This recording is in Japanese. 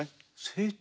成長。